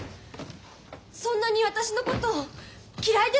そんなに私のこと嫌いですか！？